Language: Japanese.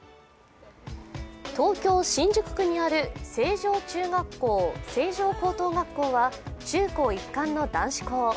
東京・新宿区にある成城中学校・成城高等学校は中高一貫の男子校。